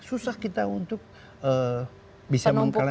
susah kita untuk bisa mengkal